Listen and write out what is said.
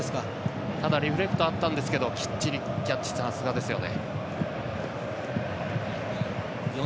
ただ、リフレクトがあったんですけどきっちりキャッチしてさすがですよね。